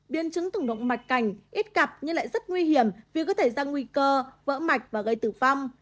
biến chứng thủng động mạch cảnh ít cặp nhưng lại rất nguy hiểm vì có thể ra nguy cơ vỡ mạch và gây tử vong